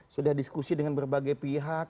sudah diskusi dengan berbagai pihak